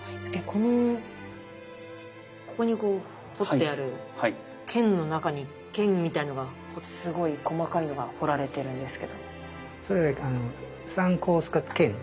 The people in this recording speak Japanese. このここに彫ってある剣の中に剣みたいなのがすごい細かいのが彫られてるんですけど。